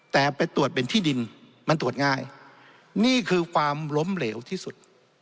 แต่ไปตรวจเป็นที่ดินมันตรวจง่ายนี่คือความล้มเหลวที่สุด